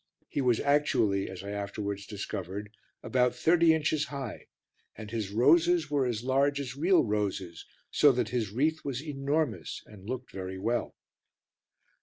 He was actually, as I afterwards discovered, about thirty inches high and his roses were as large as real roses, so that his wreath was enormous and looked very well.